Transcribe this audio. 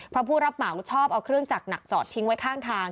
เพราะผู้รับเหมาชอบเอาเครื่องจักรหนักจอดทิ้งไว้ข้างทาง